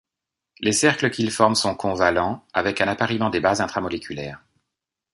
Les cercles qu'ils forme sont covalents, avec un appariement des bases intramoléculaire.